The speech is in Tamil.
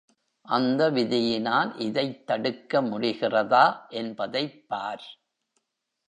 அந்த விதியினால் இதைத் தடுக்க முடிகிறதா என்பதைப்பார்.